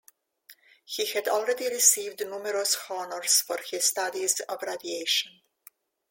He had already received numerous honors for his studies of radiation.